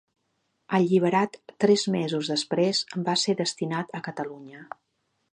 Alliberat tres mesos després, va ser destinat a Catalunya.